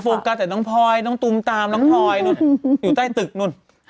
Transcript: กัสแต่น้องพลอยน้องตุ้มตามน้องพลอยนู่นอยู่ใต้ตึกนู่น